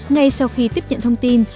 ngay sau khi tiếp nhận thông tin